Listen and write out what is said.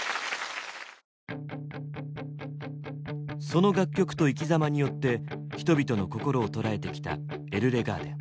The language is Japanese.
その楽曲と生きざまによって人々の心を捉えてきたＥＬＬＥＧＡＲＤＥＮ。